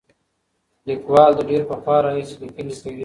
لیکوال له ډېر پخوا راهیسې لیکنې کوي.